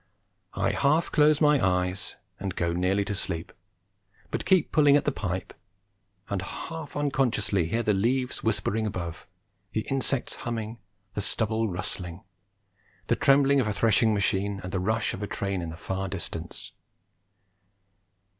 I half close my eyes and go nearly to sleep, but keep pulling at the pipe, and half unconsciously hear the leaves whispering above, the insects humming, the stubble rustling, the trembling of a thrashing machine, and the rush of a train in the far distance.